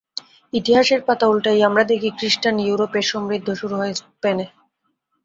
ইতিহাসের পাতা উল্টাইয়া আমরা দেখি, খ্রীষ্টান ইউরোপের সমৃদ্ধি শুরু হয় স্পেনে।